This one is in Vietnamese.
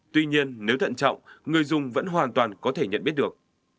tuy nhiên nếu thận trọng người dùng vẫn hoàn toàn có thể nhận biết được